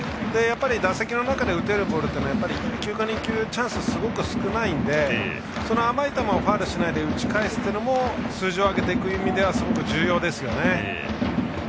打席の中で打てるボールというのは１球か２球とすごく少ないのでその甘い球をファウルしないで打ち返すのも数字を上げていく意味ではすごく重要ですね。